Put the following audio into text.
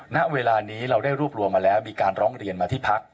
ณเวลานี้เราได้รวบรวมมาแล้วมีการร้องเรียนมาที่พัก